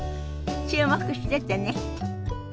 注目しててね。